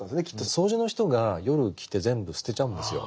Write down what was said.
掃除の人が夜来て全部捨てちゃうんですよ。